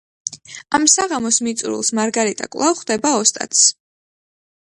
ამ საღამოს მიწურულს მარგარიტა კვლავ ხვდება ოსტატს.